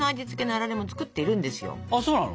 あっそうなの？